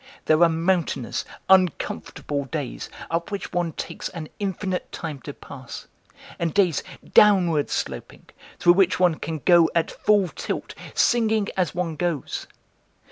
There are mountainous, uncomfortable days, up which one takes an infinite time to pass, and days downward sloping, through which one can go at full tilt, singing as one goes.